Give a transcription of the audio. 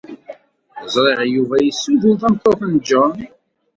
Ẓriɣ Yuba yessudun tameṭṭut n John.